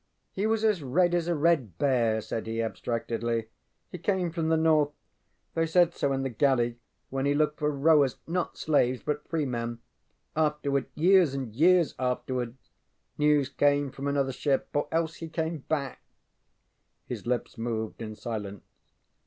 ŌĆ£He was as red as a red bear, ŌĆØ said he, abstractedly. ŌĆ£He came from the north; they said so in the galley when he looked for rowers not slaves, but free men. Afterward years and years afterward news came from another ship, or else he came back ŌĆØ His lips moved in silence.